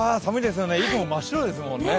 息も真っ白ですよね。